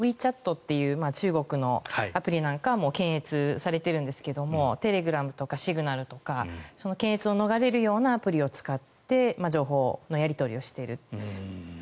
という中国のアプリなんかはもう検閲されているんですがテレグラムとかシグナルとか検閲を逃れるようなアプリを使って情報のやり取りをしている。